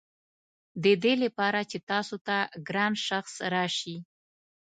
ددې لپاره چې تاسو ته ګران شخص راشي.